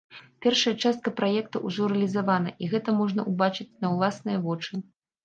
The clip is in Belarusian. Першая частка праекта ўжо рэалізавана, і гэта можна ўбачыць на ўласныя вочы.